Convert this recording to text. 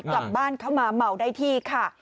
กลับบ้านเข้ามาเมาได้ที่ค่ะ